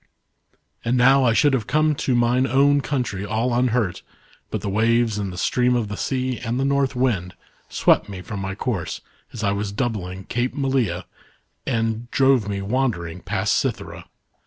" And now I should have come to mine own country all unhurt, but the waves and the stream of the sea and the North Wind swept me from my course as I was doubling Cape Malea and dxave me wandering past Cythera.